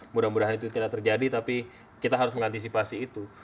mudah mudahan itu tidak terjadi tapi kita harus mengantisipasi itu